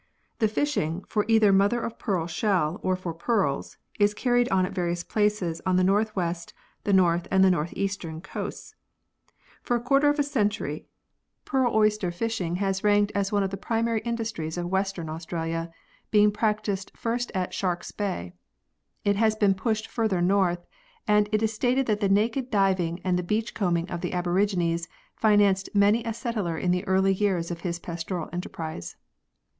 The fishing, for either mother of pearl shell or for pearls, is carried on at various places on the north west, the north and north eastern coasts. For a quarter of a century pearl oyster fishing Fig. 8. Nemertine worm and sand grains entombed in a deposit of nacre. vn] PEARL FISHERIES OF OTHER LANDS 87 has ranked as one of the primary industries of Western Australia, being practised first at Shark's Bay. It has been pushed further north, and it is stated that the naked diving and the beach combing of the aborigines financed many a settler in the early years of his pastoral enterprise.